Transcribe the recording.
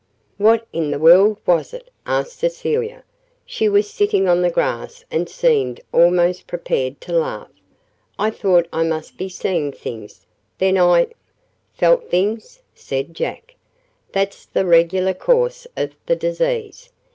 "What in the world was it?" asked Cecilia. She was sitting on the grass and seemed almost prepared to laugh. "I thought I must be seeing things. Then I " "Felt things," said Jack. "That's the regular course of the disease.